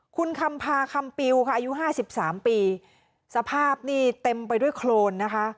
คุณคำพาคำปิวค่ะอายุห้าสิบสามปีสภาพนี่เต็มไปด้วยโครนนะคะ